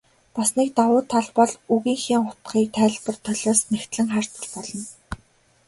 Бас нэг давуу тал бол үгийнхээ утгыг тайлбар толиос нягтлан харж болно.